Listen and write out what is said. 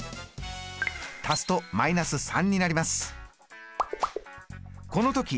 足すと−３になります。